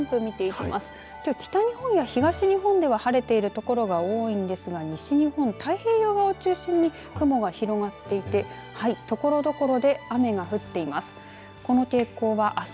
きょう、北日本や東日本では晴れている所が多いんですが西日本、太平洋側を中心に雲が広がっていてところどころで雨が降っています。